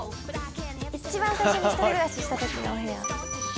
一番最初に１人暮らしした時のお部屋。